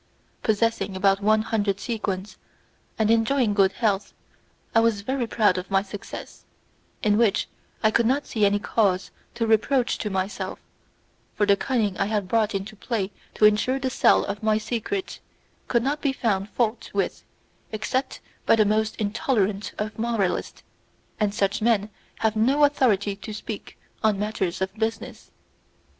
Possessing about one hundred sequins, and enjoying good health, I was very proud of my success, in which I could not see any cause of reproach to myself, for the cunning I had brought into play to insure the sale of my secret could not be found fault with except by the most intolerant of moralists, and such men have no authority to speak on matters of business.